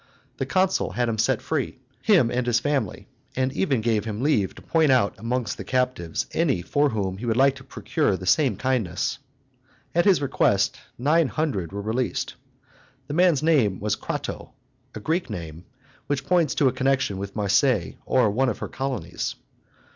The consul had him set free, him and his family, and even gave him leave to point out amongst the captives any for whom he would like to procure the same kindness. At his request nine hundred were released. The man's name was Crato, a Greek name, which points to a connection with Marseilles or one of her colonies.